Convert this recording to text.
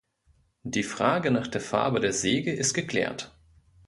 Die Frage nach der Farbe der Segel ist geklärt.